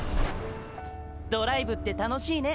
ドライブって楽しいね！